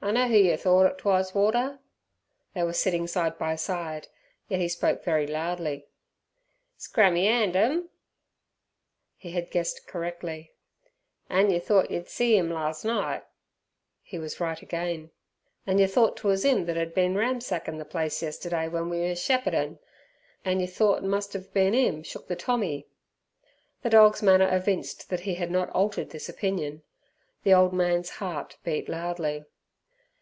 "I know who yer thort 'twas, Warder!" They were sitting side by side, yet he spoke very loudly. "Scrammy 'and, ehm?" He had guessed correctly. "An' yer thort yer see 'im lars' night!" He was right again. "An' yer thort 'twas 'im that 'ad bin ramsakin' the place yesterday, when we was shepherdin'. An' yer thort 't must 'ave bin 'im shook the tommy!" The dog's manner evinced that he had not altered this opinion. The old man's heart beat loudly.